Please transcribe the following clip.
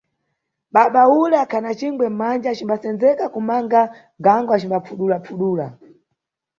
Baba ule akhana cingwe mmanja acimbasenzeka kumanga gango acimbapfudula-pfudula.